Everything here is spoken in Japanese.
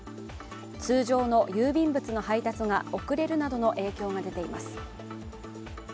通常の郵便物の配達が遅れるなどの影響が出ています。